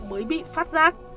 mới bị phát giác